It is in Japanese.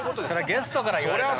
ゲストから言われたらね